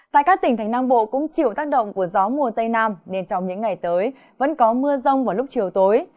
tại các tỉnh thành nam bộ cũng chịu tác động của gió mùa tây nam nên trong những ngày tới vẫn có mưa rông vào lúc chiều tối